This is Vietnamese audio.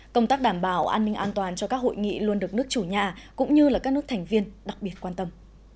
công tác đảm bảo an ninh an toàn cho các hội nghị luôn được nước chủ nhà cũng như các nước thành viên đặc biệt quan tâm